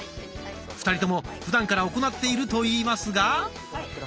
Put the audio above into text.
２人ともふだんから行っていると言いますが。